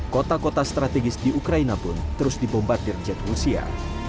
kota kota strategis di ukraina pun terus dibombardir jet rusia